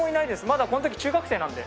まだこの時中学生なんで。